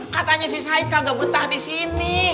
katanya si said kagak betah disini